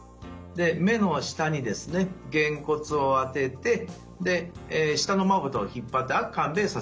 で目の下にですねげんこつをあててで下のまぶたを引っ張ってあっかんべーさせます。